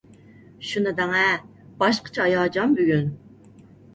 شۇنى دەڭە، باشقىچە ھاياجان بۈگۈن!